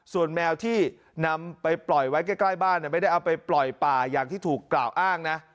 ส่วนแมวที่นำไปปล่อยไว้ใกล้บ้านไม่ได้เอาไปปล่อยป่าอย่างที่ถูกกล่าวอ้างนะ